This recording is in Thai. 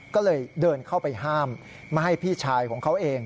ก็เลยเดินเข้าไปห้ามไม่ให้พี่ชายของเขาเอง